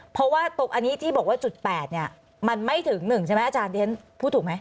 เพราะว่าตรงอันนี้ที่บอกว่าจุดแปดเนี่ยมันไม่ถึงหนึ่งใช่ไหมอาจารย์พูดถูกไหม